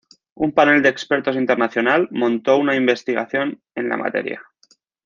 Un panel de expertos internacional montó una investigación en la materia.